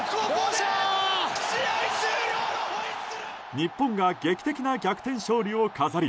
日本が劇的な逆転勝利を飾り